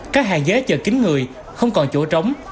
các hàng ghế chờ kín người không còn chỗ trống